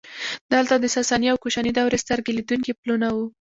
دلته د ساساني او کوشاني دورې سترګې لیدونکي پلونه وو